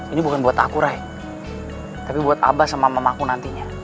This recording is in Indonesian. ini bukan buat aku ray tapi buat abah sama mamaku nantinya